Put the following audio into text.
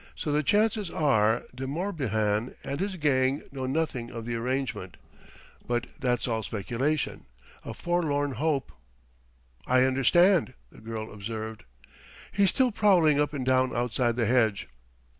So the chances are De Morbihan and his gang know nothing of the arrangement. But that's all speculation a forlorn hope!" "I understand," the girl observed. "He's still prowling up and down outside the hedge."